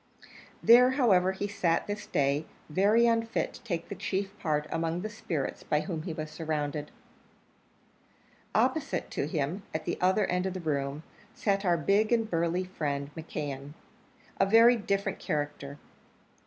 There, however, he sat on this day, very unfit to take the chief part among the spirits by whom he was surrounded. Opposite to him, at the other end of the room, sat our big and burly friend, McKeon, a very different character.